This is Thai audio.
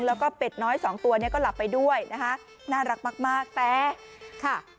แล้วก็เป็ดน้อยสองตัวเนี่ยก็หลับไปด้วยนะคะน่ารักมากแต่ค่ะ